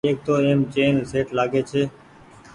ايڪ تو ايم چيئن شيٽ لآگي ڇي۔